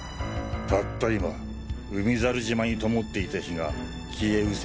たった今海猿島に灯っていた火が消え失せた。